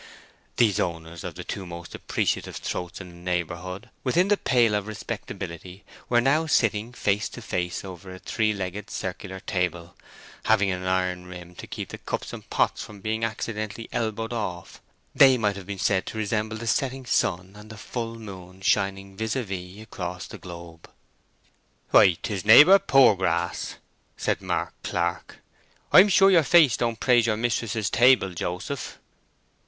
These owners of the two most appreciative throats in the neighbourhood, within the pale of respectability, were now sitting face to face over a three legged circular table, having an iron rim to keep cups and pots from being accidentally elbowed off; they might have been said to resemble the setting sun and the full moon shining vis à vis across the globe. "Why, 'tis neighbour Poorgrass!" said Mark Clark. "I'm sure your face don't praise your mistress's table, Joseph."